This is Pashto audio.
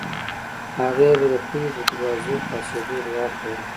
هغې به د پوهې د دروازو خلاصېدو دعا کوله